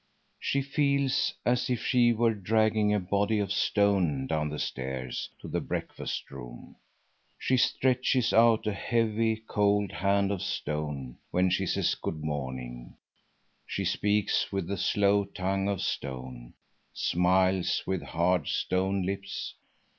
She feels as if she were dragging a body of stone down the stairs to the breakfast room. She stretches out a heavy, cold hand of stone when she says good morning; she speaks with a slow tongue of stone; smiles with hard stone lips.